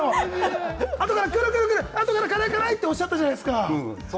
後からくるくる、辛い辛いとおっしゃったじゃないですか。